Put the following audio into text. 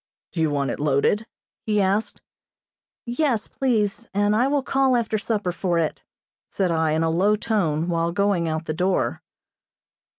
"Do you want it loaded?" he asked. "Yes, please, and I will call after supper for it," said I, in a low tone, while going out the door.